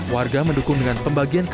warga mendukung dengan pembagian